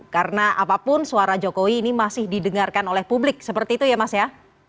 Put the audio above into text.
karena apapun suara jokowi ini masih didengarkan oleh publik seperti itu ya mas ya